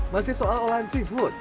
masih soal olahan seafood